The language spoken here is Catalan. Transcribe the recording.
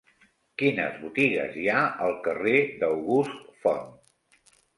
Quines botigues hi ha al carrer d'August Font?